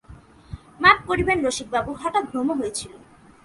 মাপ করবেন রসিকবাবু– হঠাৎ ভ্রম হয়েছিল।